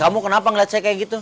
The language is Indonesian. kamu kenapa ngeliat saya kayak gitu